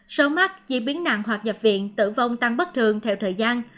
số mắc chi biến nặng hoặc nhập viện tử vong tăng bất thường theo thời gian